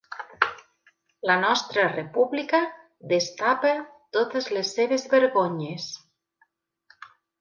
La nostra república destapa totes les seves vergonyes.